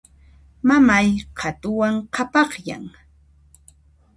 Mamay qhatuwan qhapaqyan.